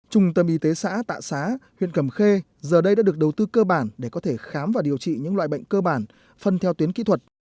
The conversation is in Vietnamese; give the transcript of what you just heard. trung tâm y tế xã tạ xá huyện cầm khê giờ đây đã được đầu tư cơ bản để có thể khám và điều trị những loại bệnh cơ bản phân theo tuyến kỹ thuật